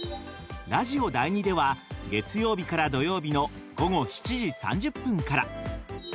ラジオ第２では月曜日から土曜日の午後７時３０分から。